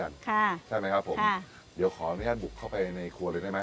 ใช่ไหมครับผมเดี๋ยวขออนุญาตบุกเข้าไปในครัวเลยได้ไหม